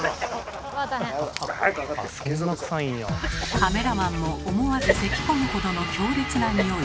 カメラマンも思わずせきこむほどの強烈なニオイ。